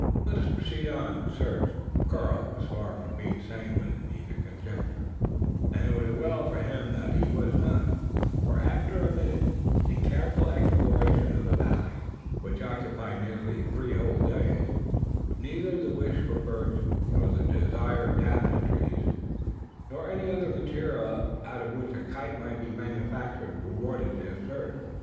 Let us proceed on and search!" Karl was far from being sanguine in either conjecture; and it was as well for him that he was not: for after a minute and careful exploration of the valley which occupied nearly three whole days neither the wished for birch, nor the desired daphne trees nor any other material out of which a kite might be manufactured rewarded their search.